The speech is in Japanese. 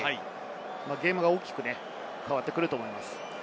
ゲームが大きく変わってくると思います。